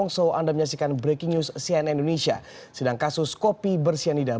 sampai jumpa di sampai jumpa